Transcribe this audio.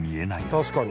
確かに。